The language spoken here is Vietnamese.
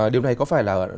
điều này có phải là